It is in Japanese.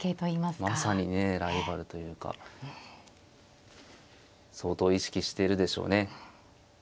まさにねライバルというか相当意識してるでしょうね。